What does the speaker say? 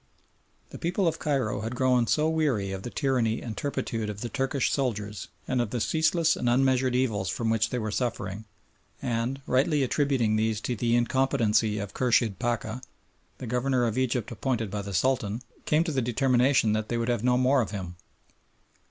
The people of Cairo had grown so weary of the tyranny and turpitude of the Turkish soldiers and of the ceaseless and unmeasured evils from which they were suffering, and, rightly attributing these to the incompetency of Khurshid Pacha, the Governor of Egypt appointed by the Sultan, came to the determination that they would have no more of him.